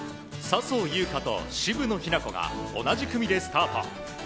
笹生優花と渋野日向子が同じ組でスタート。